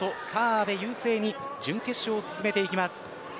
阿部優勢に準決勝を進めています。